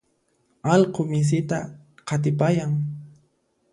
allqu misita qatipayan.